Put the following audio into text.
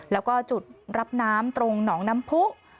แล้วก็จุดรับน้ำตรงหนองน้ำผู้